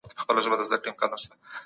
که کار ووېشل سي نو تخصص پیدا کیږي.